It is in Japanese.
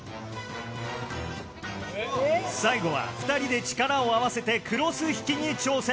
最後は２人で力を合わせてクロス引きに挑戦